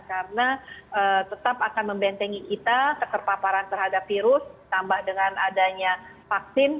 karena tetap akan membentengi kita kekerpaparan terhadap virus tambah dengan adanya vaksin